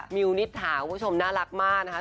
มิวนิษฐาคุณผู้ชมน่ารักมากนะคะ